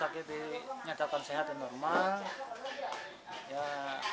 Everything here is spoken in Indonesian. pengobatan tindak lanjutnya juga tidak ada